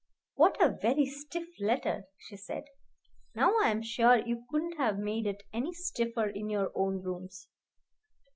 "What a very stiff letter!" she said. "Now I am sure you couldn't have made it any stiffer in your own rooms."